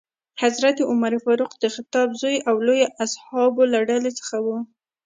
حضرت عمر فاروق د خطاب زوی او لویو اصحابو له ډلې څخه ؤ.